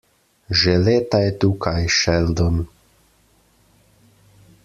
Že leta je tukaj, Sheldon.